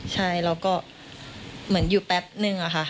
ใช่แล้วก็เหมือนอยู่แป๊บนึงอะค่ะ